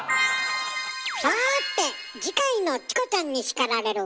さて次回の「チコちゃんに叱られる！」